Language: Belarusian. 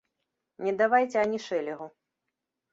Не давайце ані шэлегу.